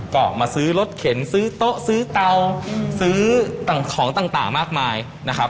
ก็มาซื้อรถเข็นซื้อโต๊ะซื้อเตาซื้อต่างของต่างมากมายนะครับ